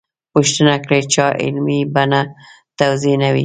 پوښتنه کړې چا علمي بڼه توضیح نه وي.